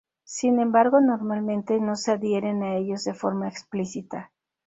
Sin embargo, normalmente no se adhieren a ellos de forma explícita.